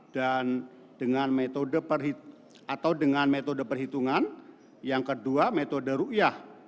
dan dengan metode perhitungan yang kedua metode ruiah